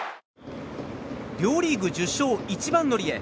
両リーグ１０勝一番乗りへ。